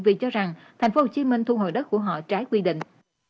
vì cho rằng tp hcm thu hồi đất của họ trái quy định